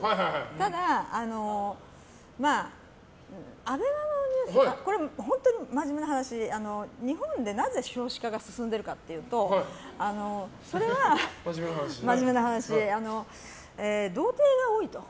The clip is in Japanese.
ただ、ＡＢＥＭＡのニュースで本当に真面目な話日本でなぜ少子化が進んでるかっていうとそれは、童貞が多いと。